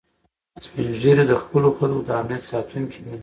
سپین ږیری د خپلو خلکو د امنیت ساتونکي دي